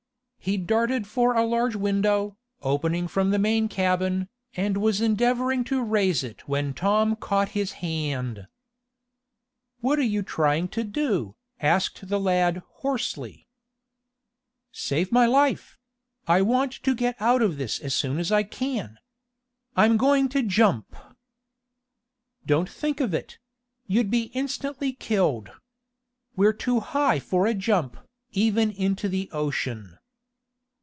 He darted for a large window, opening from the main cabin, and was endeavoring to raise it when Tom caught his hand. "What are you trying to do," asked the lad, hoarsely. "Save my life! I want to get out of this as soon as I can. I'm going to jump!" "Don't think of it! You'd be instantly killed. We're too high for a jump, even into the ocean."